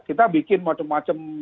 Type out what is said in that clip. kita bikin macam macam